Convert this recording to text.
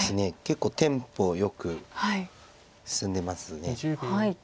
結構テンポよく進んでます。